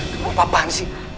kamu apa apaan sih